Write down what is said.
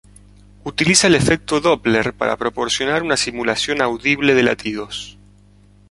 Utiliza el efecto Doppler para proporcionar una simulación audible de latidos.